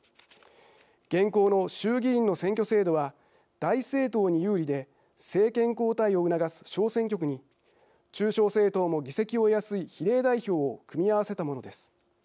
現行の衆議院の選挙制度は大政党に有利で政権交代を促す小選挙区に中小政党も議席を得やすい比例代表を組み合わせたものです。